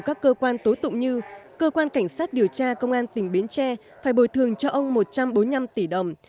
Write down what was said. các cơ quan tố tụng như cơ quan cảnh sát điều tra công an tỉnh bến tre phải bồi thường cho ông một trăm bốn mươi năm tỷ đồng